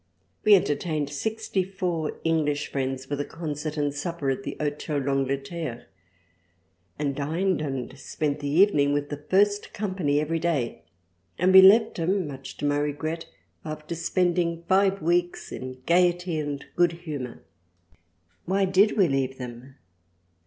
We entertained sixty four English Friends with a Concert & Supper at the Hotel dAngleterre, and dined and spent the Evening with the first Company every day, and we left 'em much to my Regret after spending five weeks in Gayety and Good Humour. Why did we leave them